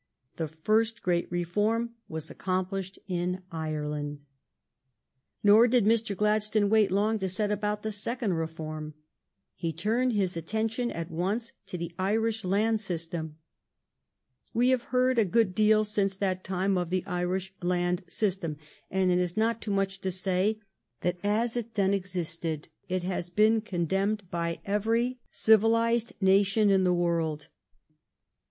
The first great reform was accomplished in Ireland. Nor did Mr. Gladstone wait long to set about the second reform. He turned his attention at once to the Irish land system. We have heard a good deal since that time of the Irish land sys tem, and it is not too much to say that as it then existed it has been condemned by every civ THE STORY Ob' GLADSTONE'S LIFE (From 1 pfaoiocnph by Mackinioih & Co., Kc ilized nation in the world.